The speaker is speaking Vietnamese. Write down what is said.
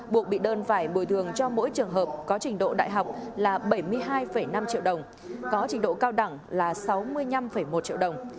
buộc bị đơn phải bồi thường cho mỗi trường hợp có trình độ đại học là bảy mươi hai năm triệu đồng có trình độ cao đẳng là sáu mươi năm một triệu đồng